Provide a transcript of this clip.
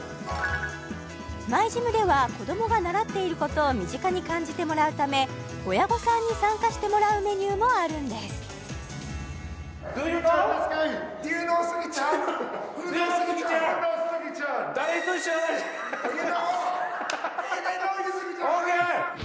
ＭｙＧｙｍでは子どもが習っていることを身近に感じてもらうため親御さんに参加してもらうメニューもあるんですＯＫ